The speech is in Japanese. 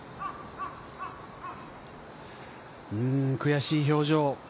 悔しい表情。